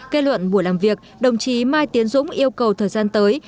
kết luận buổi làm việc đồng chí mai tiến dũng yêu cầu thời gian tới